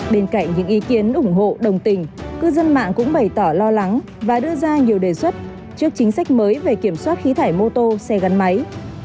bên cạnh những ý kiến ủng hộ đồng tình cư dân mạng cũng bày tỏ lo lắng và đưa ra nhiều đề xuất trước chính sách mới về kiểm soát khí thải mô tô xe gắn máy